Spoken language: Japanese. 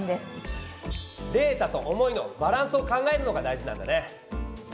「データ」と「思い」のバランスを考えるのが大事なんだね！